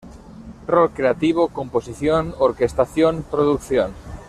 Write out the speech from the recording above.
Rol Creativo: "Composición, Orquestación, Producción.